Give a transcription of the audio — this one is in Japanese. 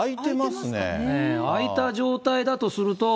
開いた状態だとすると。